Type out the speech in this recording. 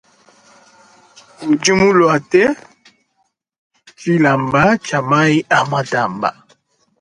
Udi muluate tshilamba tshia mayi a matamba.